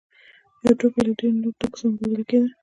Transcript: یو توکی به له ډېرو نورو توکو سره مبادله کېده